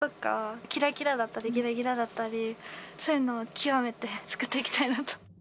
やっぱり派手さとか、きらきらだったり、ぎらぎらだったり、そういうのを極めて作っていきたいなと。